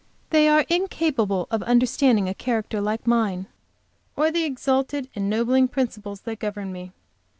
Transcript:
"They are incapable of understanding a character like mine, or the exalted, ennobling principles that govern me.